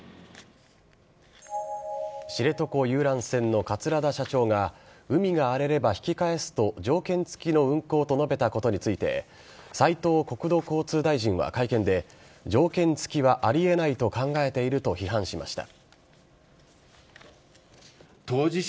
知床遊覧船の桂田社長が海が荒れれば引き返すと条件付きの運航と述べたことについて斉藤国土交通大臣は会見で条件付きはあり得ないと考えていると批判しました。